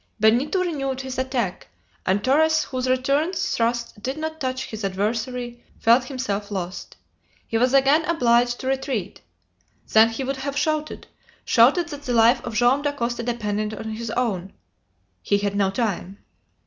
Benito renewed his attack, and Torres, whose return thrust did not touch his adversary, felt himself lost. He was again obliged to retreat. Then he would have shouted shouted that the life of Joam Dacosta depended on his own! He had not time!